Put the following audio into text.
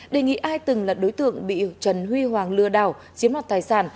đề nghị ai từng là đối tượng bị trần huy hoàng lừa đảo chiếm đoạt tài sản